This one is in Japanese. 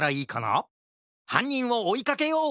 はんにんをおいかけよう！